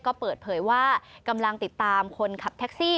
ก็เปิดเผยว่ากำลังติดตามคนขับแท็กซี่